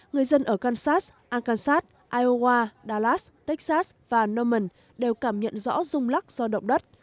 người dân ở kansas arkansas iowa dallas texas và norman đều cảm nhận rõ rung lắc do động đất